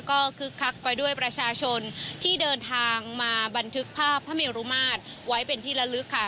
ก็คึกคักไปด้วยประชาชนที่เดินทางมาบันทึกภาพพระเมรุมาตรไว้เป็นที่ละลึกค่ะ